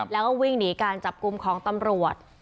แล้วก็วิ่งหนีการจับกลุ่มของตำรวจ